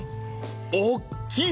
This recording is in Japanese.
おっきい！